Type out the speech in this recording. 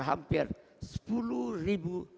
hampir sepuluh ribu